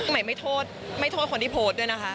ใหม่ไม่โทษคนที่โพสต์ด้วยนะคะ